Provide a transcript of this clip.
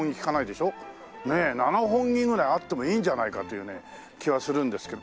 七本木ぐらいあってもいいんじゃないかというね気はするんですけど。